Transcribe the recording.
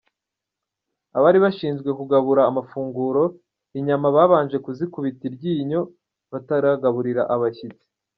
Abari bashinzwe kugabura amafunguro, inyama babanje bazikubita iryinyo bataragaburira abashyitsi.